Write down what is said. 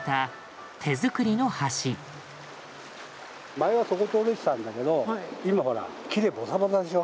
前はそこ通れてたんだけど今ほら木でボサボサでしょ。